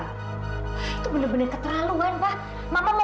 itu bener bener keterlaluan pak